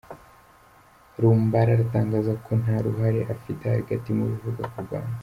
Rumbala aratangaza ko nta ruhare afite hagati mu bivugwa k’u Rwanda